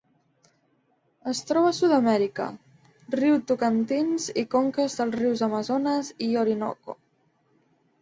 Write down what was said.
Es troba a Sud-amèrica: riu Tocantins i conques dels rius Amazones i Orinoco.